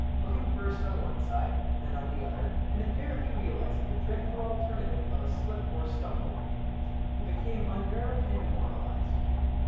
Looking first on one side, then on the other, and apparently realising the dreadful alternative of a slip or stumble, he became unnerved and demoralised.